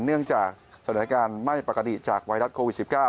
เนื่องจากสถานการณ์ไม่ปกติจากไวรัสโควิด๑๙